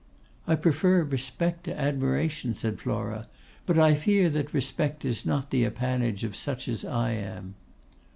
'I prefer respect to admiration,' said Flora; 'but I fear that respect is not the appanage of such as I am.